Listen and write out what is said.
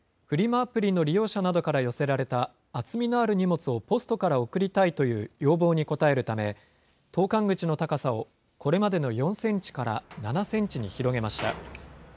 アプリの利用者などから寄せられた厚みのある荷物をポストから送りたいという要望に応えるため、投かん口の高さをこれまでの４センチから７センチに広げました。